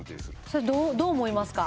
それどう思いますか？